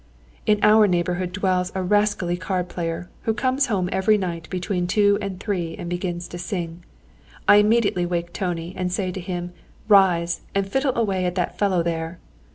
"In our neighbourhood dwells a rascally card player, who comes home every night between two and three, and begins to sing. I immediately wake Tony and say to him, 'Rise, and fiddle away at that fellow there!'